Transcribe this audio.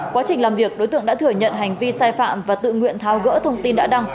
quá trình làm việc đối tượng đã thừa nhận hành vi sai phạm và tự nguyện tháo gỡ thông tin đã đăng